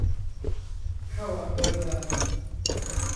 เข้าอำเภอเมือง